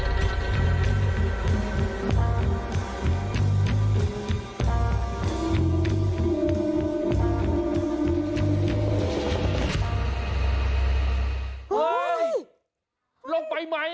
โดยไก่ทางท่อจักรวรรดิฟุ